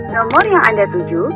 nomor yang anda tuju